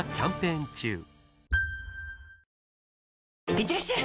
いってらっしゃい！